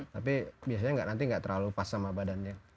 tapi biasanya nanti nggak terlalu pas sama badannya